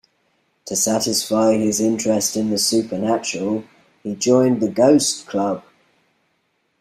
To satisfy his interest in the supernatural, he joined The Ghost Club.